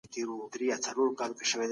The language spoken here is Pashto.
خو په نرمۍ او حکمت سره.